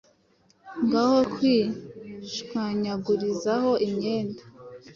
ngaho kwishwanyagurizaho imyenda,